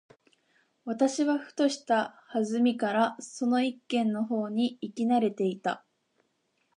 私はふとした機会（はずみ）からその一軒の方に行き慣（な）れていた。